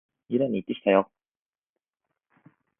未来に行ってきたよ！